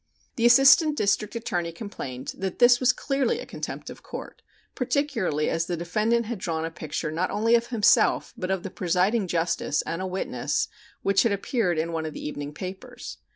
The Assistant District Attorney complained that this was clearly a contempt of court, particularly as the defendant had drawn a picture not only of himself, but of the presiding justice and a witness, which had appeared in one of the evening papers.